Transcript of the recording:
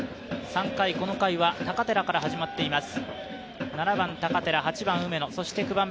３回は高寺から始まっています。